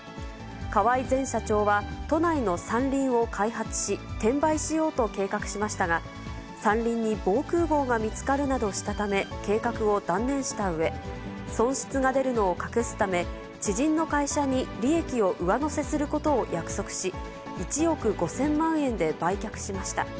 河合前社長は、都内の山林を開発し、転売しようと計画しましたが、山林に防空ごうが見つかるなどしたため、計画を断念したうえ、損失が出るのを隠すため、知人の会社に利益を上乗せすることを約束し、１億５０００万円で売却しました。